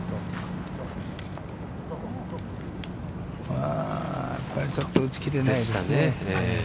やっぱりちょっと打ち切れないですね。